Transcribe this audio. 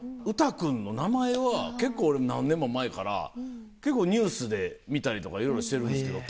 ＵＴＡ君の名前は結構俺何年も前から結構ニュースで見たりとかいろいろしてるんですけど。